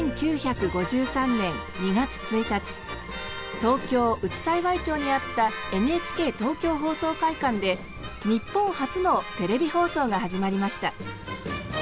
東京・内幸町にあったＮＨＫ東京放送会館で日本初のテレビ放送が始まりました。